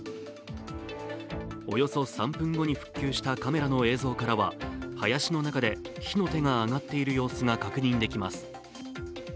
およそ３分後に復旧したカメラの映像からは林の中で火の手が上がっている様子が確認できます。